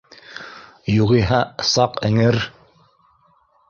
Юғиһә, саҡ эңер